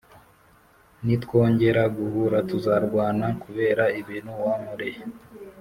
Nitwongera guhura tuzarwana kubera ibintu wankoreye